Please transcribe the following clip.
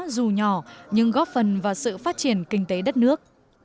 dù nhỏ nhưng góp phần vào sự phát triển kinh tế đất nước